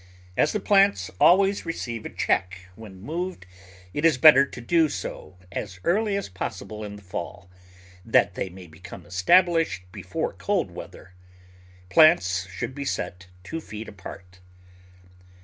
As the plants always receive a check when moved, it is bet ter to do so as early as possible in the fall, that they may become established before cold weather. Plants should be set two feet apart.